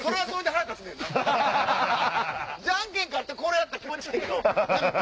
じゃんけん勝ってこれやったら気持ちええけど。